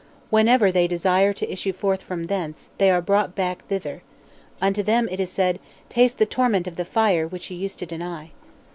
Whenever they desire to issue forth from thence, they are brought back thither. Unto them it is said: Taste the torment of the Fire which ye used to deny.